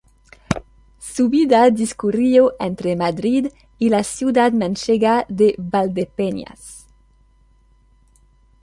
Su vida discurrió entre Madrid y la ciudad manchega de Valdepeñas.